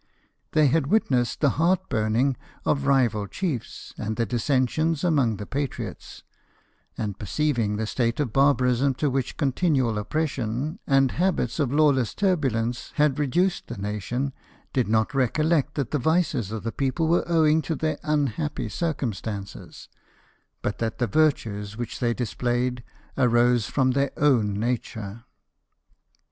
They had witnessed GAFFORI. 61 the heart burning of rival chiefs, and the dissensions among the patriots ; and perceiving the state of barbarism to which continual oppression, and habits of lawless turbulence, had reduced the nation, did not recollect that the vices of the people were owing to their unhappy circumstances ; but that the virtues which they displayed arose from their oavq nature.